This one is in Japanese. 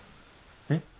えっ？